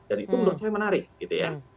dan itu menurut saya menarik gitu ya